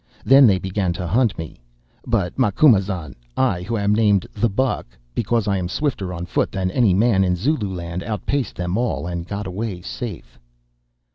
Then they began to hunt me, but, Macumazahn, I who am named "The Buck," because I am swifter of foot than any man in Zululand, outpaced them all and got away safe.